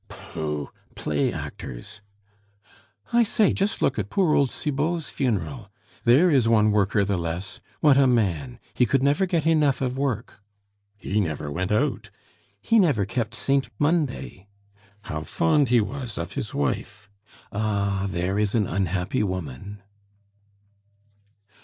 "Pooh! play actors." "I say, just look at poor old Cibot's funeral. There is one worker the less. What a man! he could never get enough of work!" "He never went out." "He never kept Saint Monday." "How fond he was of his wife!" "Ah! There is an unhappy woman!"